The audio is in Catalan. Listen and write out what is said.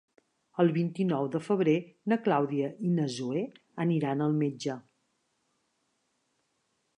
El vint-i-nou de febrer na Clàudia i na Zoè aniran al metge.